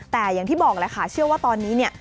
แต่อย่างที่บอกแหละค่ะเชื่อว่าตอนนี้เนี่ย